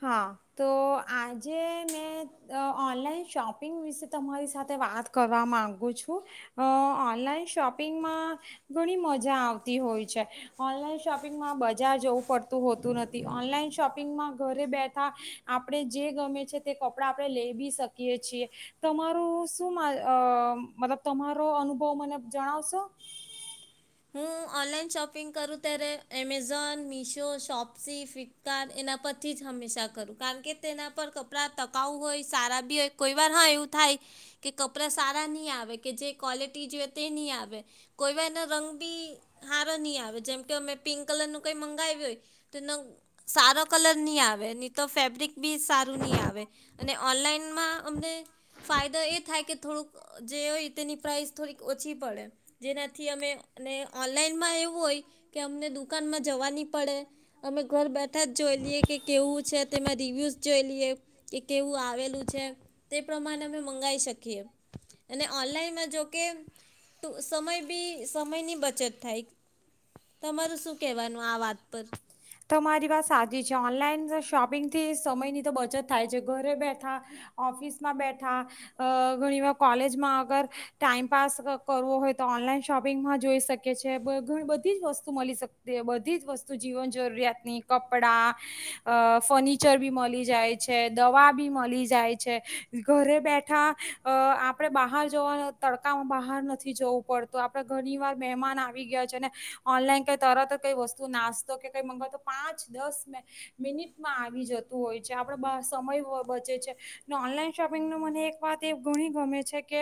હા તો આજે મેં ઓનલાઈન શોપિંગ વિશે તમારી સાથે વાત કરવા માગું છું અ ઓનલાઈન શોપિંગમાં ગણી મજા આવતી હોઉએ છે ઓનલાઇન શોપિંગ મા બજાર જવું પડતું હોતું નથી ઓનલાઇન શો શોપિંગમાં ઘરે બેઠા આપણે જે ગમે છે તે કપડા આપણે લેવીભી શકીયે છે તમારું શુ મા અ મતલબ તમારો અનુભવ મને જડાવશો હું ઓનલાઈન શોપિંગ કરું ત્યારે એમેઝોન, મીશો, શોપ્સી, ફ્લિપકાર્ટ એના પરથી જ હંમેશા કરું કારણ કે તેના પર કપડાં ટકાઉ હોયે સારા ભી હોયે હા કોઈ વાર હા એવુ થાયે કે કપડાં સારા ની આવે કે જે કોલીટી જે ટે ની આવે કોઈ વર રંગ બી હારો નહી આવે જેમકે અમે પિંક કલર નું કઈ મગાવ્યુ હોયે તો સારો કલર ની આવે ની તો ફરબ્રિક ભી સારો ની આવે એને ઓનલાઇન મા અમને ફાયદા એ થાય કે થોડુંક જે હોય તેની પ્રાઇસ થોડીક છી પડે જેનાથી અમે અને ઓનલાઈન મા એવું હોયે કે અમને દુકાન મા જવા ની પડે અમે ધર બેઠાજ જોઈલીયે કે કેવું છે તેમાં રિયુંજ જોયે લિયે એ કેવું આવે લુ છે તે પ્રમાણે અમે મંગાઈ શકીયે એને ઓનલાઇન મા જો કે ટુ સમય ભી સમયની બચત થાયે તમારું સુ કેવું આ વાત પર ઓનલઈ શોપિંગ થી સમય ની બચત તો થાયે છે ધરે બેઠા ઓફિસ મા બેઠા અ ગણીવાર કૉલેગમા અગર ટાઈમેપાસ કરવો હોય તો ઓનલાઈન શોપિંગમાં જોઈ શકી નથી જવું પડતું આપણે ઘણી વાર મહેમાન આવી ગયા છે અને ઓનલાઈન ક તરત જ કઈ વસ્તુ નાસ્તો કે ક મંગાવતો પાંચ દસ મિનિટમાં આવી જતું હોય છે આપ સમય બચે છે ઓનલાઈન શોપિંગ ન મને એક વાત એ ગણી ગમે છે કે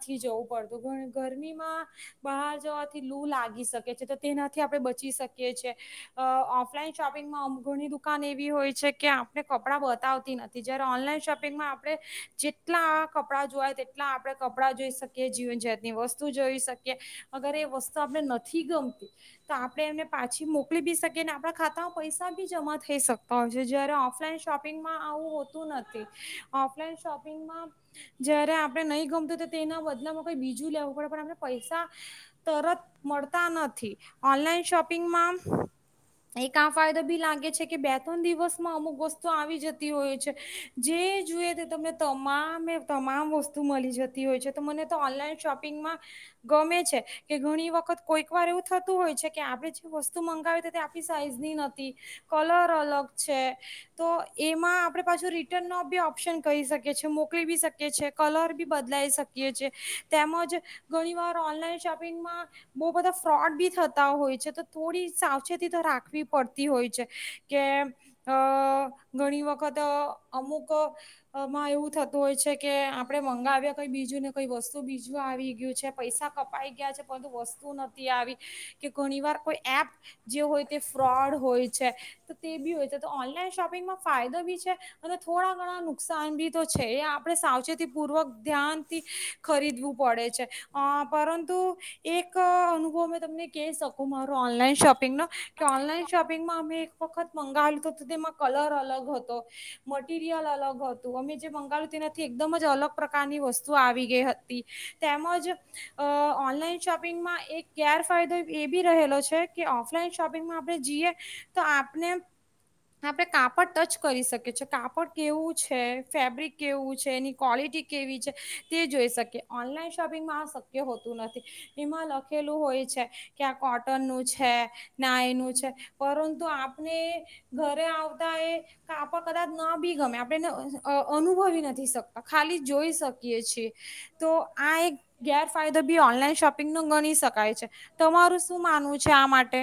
નથી જવું પડતું ગરમી મા બહાર જવા થી લુ લાગી શકે છે તો તેના થી આપડે બચી શકીયે છયેએ ઓ ઓફલાઈન શોપિંગ મા ઘળી એવી હોયે છે કે આપણને કપડા બાતવતી નથી જયારે ઓનલાઈન શોપિંગ મા આપણે જેટલા કપડાં જોયે તેટલા આપણે કપડાં કપડાં જોઈ શકીએ જીવન જાતની વસ્તુ જોઈ શકીએ અગર એ વસ્તુ આપડને નથી ગમતી તો આપણે પાછી મુકલી ભી શકીયે ને આપણા ખાતા મા પૈસા ભી જમા થયે પહોંચે છે જયારે ઓફ્લાઇન શોપિંગ મા આવું હોતું નથી ઓફ્લાઇન શોપિંગ મા જયારે આપણે નહીં ગમતું તેના બદલામાં કઈ બીજું લેવું પડે પણ આપને પૈસા તરત મળતા નથી ઓનલાઈન શોપિંગમાં એક આ ફસાયદો ભી લાગે છે કે બે ત્રણ દિવસ મા અમુક વસ્તુઓ આવી જતી હોયે છે જે જુએ તે તમામ એ તમામ હોય છે તો મને તો ઓનલાઈન શોપિંગમાં ગમે છે કે ગણી વખત કોઈક વર એવુ થતું હોયે છે કે આપણે જે વસ્તુ મંગાવે તે આપણી સાઈઝ ની નથી કલર અલગ છે તો એમાં આપણે પાછો રિટર્ન નો ભી ઓપ્શન કરી શકીયે છે મોકલી ભી શકીયે છે કલર ભી લઈ શકીએ છીએ તેમજ ધણી વર ઓનલાઇન શોપિંગ મા બો બધા ફ્રોડ ભી થતા હોયે છે તો થોડી સાવચેતી તો રાખવી પડતી હોયે છે કે અ કઈ બીજું ને કઈ વસ્તુ બીજું આવી ગયું છે પૈસા કપાય ગયા છે કોઈ વસ્તુ નથી આવી કે ધણીવાર કોઈ એપ જે હોયે છે તે ફ્રોડ હોયે છે તો તે ભી હોયે છે તો ઓનલાઇન શિપિંગ મા ફાયદો ભી છે ને નું ધ્યાનથી ખરીદવું પડે છે અ પરંતુ એક અનુભવ તમને કઈ શકું મારું ઓનલાઇન શોપિંગ નો કે ઓનલાઇન શોપિંગ મા અમે એક વક્ત મંગાયું તો તેમાં કલર અલગ હતો મટીરીયલ અલગ હતું અમે જે મંગાયેલું એનાથી અલગ જ પ્રકારની વસ્તુ આવી ગઈ હતી તેમજ અ ઓનલાઈન શોપિંગ મા એક ગેરફાયદો એક એ ભી રહેલો છે કે ઓફલાઈન શોપિંગ મા જીયે તો આપણે આપણે કાપડ ટચ્ચ કરી શકીયે છે કાપડ કેવું છે ફેબ્રીક કેવું છે તએની કોલિટી કેવી છે? તે જોઈ શકીએ ઓનલાઈન શોપિંગમાં આ શક્ય હોતું નથી એમાં લખેલું હોય છે કે આ કોટનનું છે ના એનું છે પરંતુ આપણે ઘરે આવતા એ કાપડ કદાચ ના બી ગમે આપણેને અ અનુભવી નથી સકતા ખાલી જોઈ શકીએ છીએ તો આ એક ગેરફાયદો બી ઓનલાઈન શોપિંગ ન ગણી શકાય છે. તમારુ શુ માનવું છે આ માટે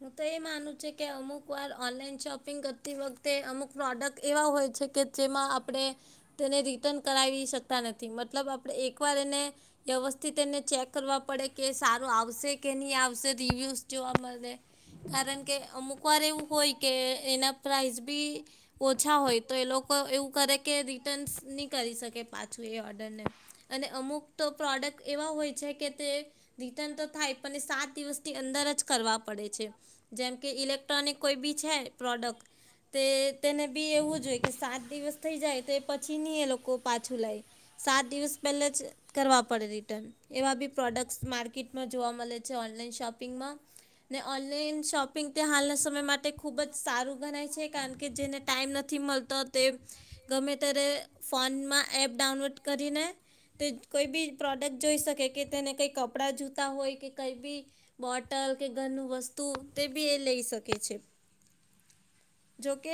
હું તો એ માનું છું કે અમુક વાર ઓનલાઇન શોપિંગ કરતી વખતે અમુક પ્રોડક્ટ એવા હોય છે કે જેમાં આપણે રિટર્ન કરાવી શકતા નથી મતલબ એકવાર એને વ્યવસ્થિત એને ચેક કરવા પડે કે એ સારું આવશે કે ની આવશે રીવ્યુસ જોવા મળે કારણ કે અમુક વાર એવું હોય કે એના પ્રાઇઝ બી ઓછા હોય તો એ લોકો એવું કરે કે રીટન્સ ની કરે કરી શકે પાછું એ ઓર્ડરને અને અમુક તો પ્રોડક્ટ એવા હોય છે કે તે રિટર્ન તો થાય પણ એ સાત દિવસની અંદર જ કરવા પડે. પડે છે જેમ કે ઇલેક્ટ્રોનિક કોઈ બી છે પ્રોડક્ટ તે તેને બી એવું જોઈ કે સાત દિવસ થઈ જાય તે પછી ન એ લોકો પાછું લાય. સાત દિવસ પહેલા જ કરવા પડે રિટર્ન એવા બી પ્રોડક્ટસ માર્કેટમાં જોવા મળે છે ઓનલાઇન શોપિંગમાં ને ઓનલાઈન શોપ શપિંગ ત હાલ ના સમય માટે ખૂબ જ સારું ગણાય છે, કારણ કે જેને ટાઈમ નથી મળતો તે ગમે ત્યારે ફોન માં એપ ડાઉનલોડ કરીને તે કોઈ પણ પ્રોડક્ટ જોઈ શકે કે તેને કંઈ કપડાં જોઈતા હોય કે કઈ બી બોટલ કે વસ્તુ બી એ લઈ શકે છે. જોકે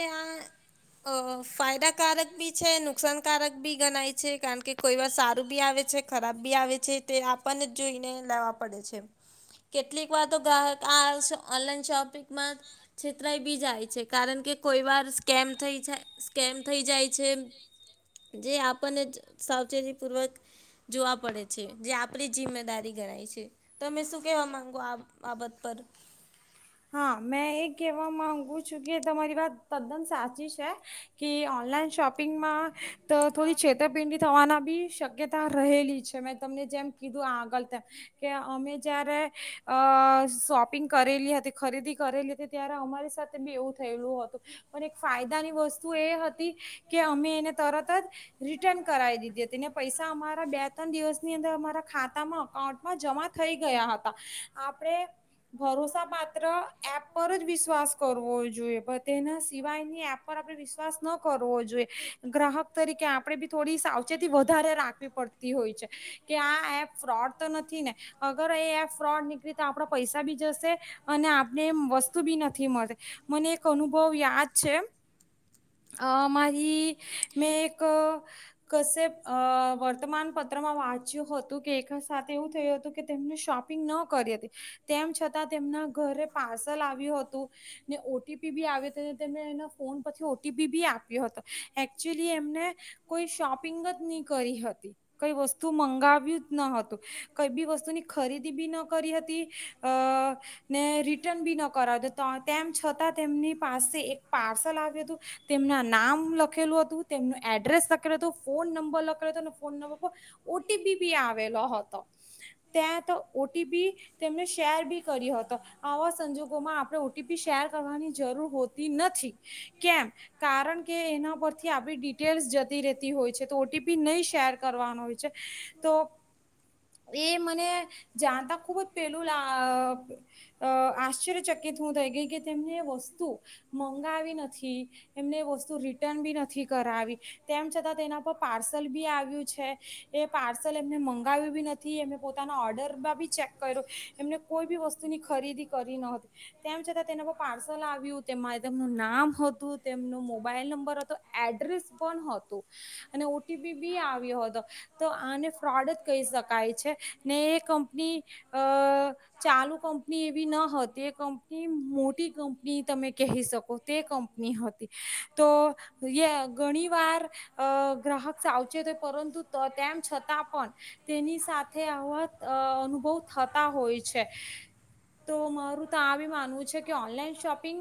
આ ફાયદાકારક બી છે નુકસાનકારક બી ગણાય છે કારણ કે કોઈ વાર સારું બી આવે છે ખરાબ બી આવે છે તે આપણને જ જોઈને લેવા પડે છે કેટલીક વાર તો ગ્રાહક આ ઓનલાઈન શોપિંગમાં છેતરાઈ બી જાય છે કારણ કે કોઈ વાર સ્કેમ થઈ જાય સ્કેમ થઈ જાય છે જે આપણને સાવચેતીપૂર્વક જોવા પડે છે જે આપણી જિમ્મેદારી ગણાય છે. તમે શું કહેવા માંગો આ બાબત વિશે? ઉપર હા મેં એ કેહેવા માંગુ છું, કે તમારી વાત તદ્દન સાચી છે કે ઓનલાઈન શોપિંગમાં ત થોડી છેેતપીંડી થવા બી શક્યતા રહેલી છે, મેં તમને જેમ કીધું આગળ તેમ કે અમે જયારે અ શોપિંગ કરેલી હતી. ખરીદી કરેલી હતી ત્યારે અમારી સાથે બી એવું થયેલું હતું પણ એક ફાયદાની વસ્તુ એ હતી કે અમે એને તરત જ રિટર્ન કરાવી દીધી હતી પૈસા અમારા બે ત્રણ દિવસની અંદર અમારા ખાતામાં અઉન્ટમાં જમા થઈ ગયા હતા. આપણે ભરોસા માત્ર એપ પર જ વિશ્વાસ કરવો જોઈએ પણ તેના સિવાયની એપ પર આપે વિશ્વાસ ન કરવો જોઈએ ગ્રાહક તરીકે આપે બી થોડી સાવચેતી વધારે રાખવી પડતી હોય છે, કે આ એપ ફ્રોડ તો નથી ને અગર એ એપ ફ્રોડ નીકળી તો આપડા પૈસા બી જશે અને આપને વસ્તુ બી નથી મળતી મને એક અનુભવ યાદ છે મારી મેં એક કશે અ વર્તમાન પત્રમાં વાંચ્યું હતું કે એક સાથે એવું થયું હતું કે તેમને શોપિંગ ન કરી હતી તેમ છતાં તેમના ઘરે પાર્સલ આવ્યું હતું ને ઓ ટી પી બી આવ હતી ત એના ફોન પરથી ઓ ટી પી બી આપ્યો હતો એકચુલી એમને કોઈ શોપિંગ જ નહી કરી હતી કઈ વસ્તુ મંગાવ્યું જ ન હતું, કઈ બી વસ્તુની ખરીદી બી ન કરી હતી. અ ને રિટર્ન બી ન કરાવ તેમ છતાં તેમની પાસે એક પાર્સલ આવ્યું હતું. તેમના નામ લખેલું હતું, તેમનું એડ્રેસ લખેલું હતું, ફોન નંબર લખેલો હતો, ફોન નંબર પર ઓ ટી પી બી આવેલો હતો. ત્યાં તો ઓ ટી પી તેમને શેર બી કર્યો હતો. આવા સંજોગોમાં આપણે ઓ ટી પી શેર કરવાની જરૂર હોતી નથી કેમ કારણ કે એના પરથી આપડી ડિટેલ્સ જતી રહેતી હોય છે તો ઓ ટી પી નહી શેર કરવાનું હોય છે તો એ મને જાણતા ખુબ જ પેલું અ આશ્ચર્યચકિત હું થઈ ગઈ કે તેમને એ વસ્તુ મંગાવી નથી, એમને એ વસ્તુ રિટર્ન બી નથી કરાવી, તેમ છતાં તેના પર પાર્સલ બી આવ્યું છે એ પાર્સલ એમને મંગાવ્યું બી નથી એ પોતાના ઓર્ડરમાં બી ચેક કર્યો એમને કોઈ બી વસ્તુ ખરીદી કરી ન હતી તેમ છતાં તેના પર પાર્સલ આવ્યું તેમાં તેમનું નામ હતું, તેમનું મોબાઈલ નંબર હતો, એડ્રેસ પણ હતું અને ઓ ટી પી બી આવ્યો હતો તો આને ફ્રોડ જ કહી શકાય છે ને એ કંપની અ ચાલુ કંપની એવી ન હતી એ કંપની મોટી કંપની તમે કહી શકો તે કંપની હતી તો ઘણી વાર ગ્રાહક સાવચત પરંતુ તેમ છતાં પણ તેની સાથે આવા અનુભવ થતા હોય છે. તો મારું તો આ બી માનવું છે કે ઓનલાઈન શોપિંગ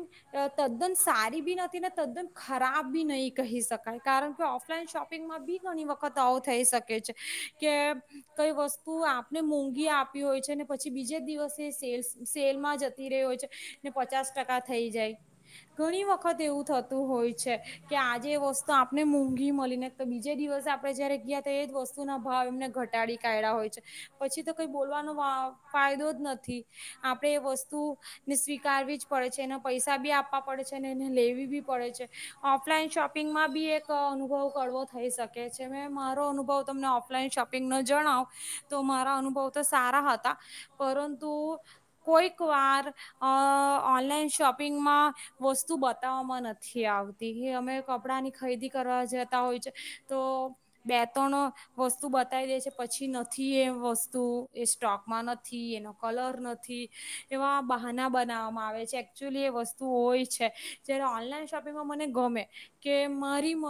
તદ્દન સારી બી નથી ને તદ્દન ખરાબ બી નહીં કહી શકાય કારણ કે ઓફલાઈન શોપિંગમાં બી ઘણી વખત આવો થઈ શકે છે કે કઈ વસ્તુ આપને મોંઘી આપી હોય છે ને પછી બીજે દિવસ સેલમાં જતી રહી હોય છે ને પચાસ ટકા થઈ જાય. ઘણી વખત એવું થતું હોય છે કે આજે વસ્તુ આપને મોંઘી મળીને, બીજે દિવસે આપણે જયારે ગયા ત એ જ વસ્તુ ના ભાવ એમને ઘટાડી કાઢ્યા હોય છે પછી તો કઈ બોલવાનો ફાયદો જ નથી. આપણે એ વસ્તુને સ્વીકારવી જ પડે છે એને પૈસા બી આપવા પડે છે અને એને લેવી બી પડે છે ઓફલાઈન શોપિંગમાં બી એક અનુભવ કડવો થઈ શકે છે મે મારો અનુભવ તમને ઓફલાઈન શોપિંગ ન જણાવ તો મારા અનુભવ તો સારા હતા. પરંતુ કોઈક વાર અ ઓનલાઈન શોપિંગમાં વસ્તુ બતાવવામાં નથી આવતી કે અમે કપડા ની ખરીદી કરવા જતા હોય છે, તો બે ત્રણ વસ્તુ બતાવી દે છે પછી નથી એ વસ્તુ એ સ્ટોકમાં નથી એ કલર નથી એવા બહાના બનાવવામાં આવે છે એકક્ચ્યુલી એ વસ્તુ હોય છે જ્યારે ઓનલાઈન શોપિંગમાં મને ગમે કે મારી મ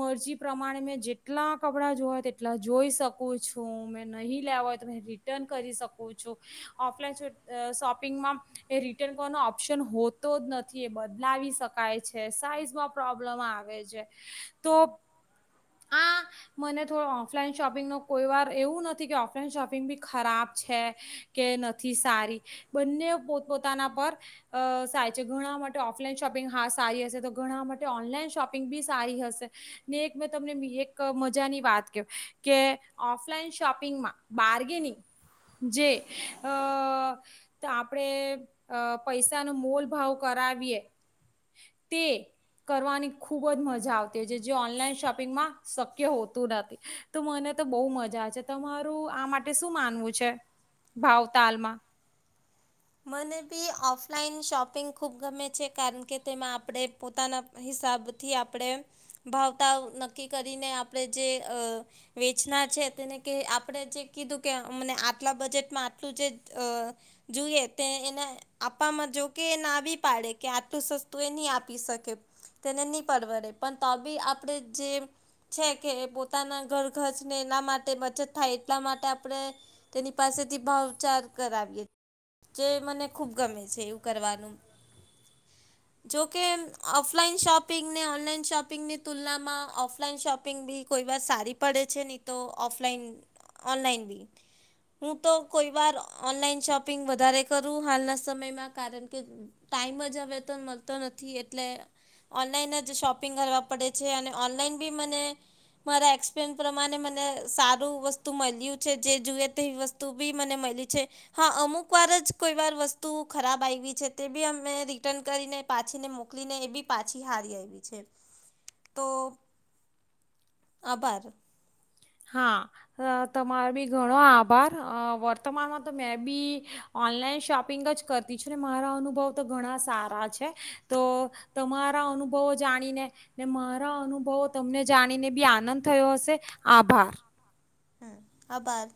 મરજી પ્રમાણે મેં જેટલા કપડાં જોવાય તેટલા જોઈ શકું છું મેં નહીં લેવા હોય તો મે રિટર્ન કરી શકું છું. ઓફલાઈન શોપિંગમાં એ રિટર્ન કરવાનો ઓપ્શન હોતો જ નથી એ બદલાવી શકાય છે સાઈઝમાં પ્રોબ્લમ આવે છે તો આ મને થોડો ઓફલાઈન શોપિંગ ન કોઈ વાર એવું નથી કે ઓફલાઈન શોપિંગ બી ખરાબ છે. કે નથી સારી બંને પોતપોતાના પર સાય છે ઘણા માટે ઓફલાઈન શોપિંગ હા સારી હશે તો ઘણા માટે ઓનલાઈન શોપિંગ બી સારી હશે ને એક મેં તમને એક મજાની વાત ક કે ઓફલાઈન શોપિંગમાં બાર્ગેનિંગ જે અ તો આપણેે પૈસા ન મોલ ભાવ કરાવીએ તે કરવાની ખુબ જ મજા આવતી હોય છે જે ઓનલાઈન શોપિંગમાં શક્ય હોતું નથી તો મને તો બહ મજા આવે છે. તમારું આ માટે શું માનવું છે? ભાવ તાલમાં મને બી ઓફલાઈન શોપિંગ ખૂબ ગમે છે કારણ કે તેમાં આપણે પોતાના હિસાબથી આપણે ભાવતા નક્કી કરીને આપણે જે વેચનાર છે તેને આપણે જે કીધું કે મને આટલા બજેટમાં આટલું જે જોઈએ તે એને આપવામાં જો કે એ ના આવી પાડે કે આટલું સસ્તું એ નહી આપી શકે તેને નહી પરવડે પણ તબી આપણે જે છે કે પોતાના ઘરગજને એના માટે બચત થાય એટલા માટે આપણે તેની પાસેથી ભાવચાર કરાવીએ. જે મને ખુબ ગમે છે, એવું કરવાનું જોકે ઓફલાઈન શોપિંગને ઓનલાઈન શોપિંગની તુલનામાં ઓફલાઈન શોપિંગ બી કોઈ વાર સારી પડે છે, નહી તોફ ઓનલાઈન બી હું તો કોઈ વાર ઓનલાન શોપ શપિંગ વધારે કરું હાલના સમયમાં કારણ કે ટાઈમ જ હવે તો મળતો નથી એટલે ઓનલાઈન જ શોપિંગ કરવા પડે છે અને ઓનલાઈન બી મને મારા એક્સપિરયન્સ પ્રમાણે મને સારું વસ્તુ મળ્યું છે જે જુએ તે વસ્તુ બી મને મળી છે હા અમુક અમુક વાર જ કોઈ વાર વસ્તુ ખરાબ આવી છે તે બી અમે રિટર્ન કરીને પાછીને મોકલીને એ બી પાછી હારી આવી છે. તો આભાર. હા તમારો બી ઘણો આભાર વર્તમાનમાં તો મેં બી ઓનલાઈન શોપિંગ જ કરતી છું ને મારા અનુભવ તો ઘણા સારા છે તો તમારા અનુભવો જાણીને ને મારા અનુભવો તમને જાણીને બી આનંદ થયો હશે. આભાર! હમ આભાર!